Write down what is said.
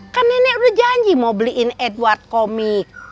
kan nenek udah janji mau beliin edward komik